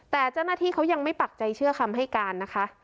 แต่เจ้าหน้าที่เขายังไม่ปักใจเชื่อคำให้การนะคะ